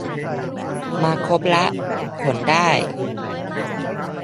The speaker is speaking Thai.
มาครบละ ขนได้